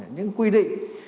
những quy định